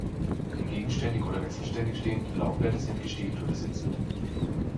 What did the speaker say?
Die gegenständig oder wechselständig stehenden Laubblätter sind gestielt oder sitzend.